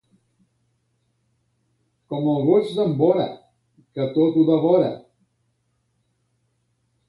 Com el gos d'en Bora, que tot ho devora.